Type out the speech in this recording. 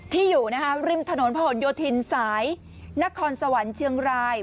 ที่อยู่ริมถนนพหลโยธินสายนครสวรรค์เชียงราย